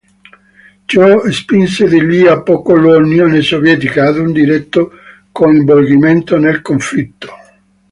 Ciò spinse di lì a poco l'Unione Sovietica ad un diretto coinvolgimento nel conflitto.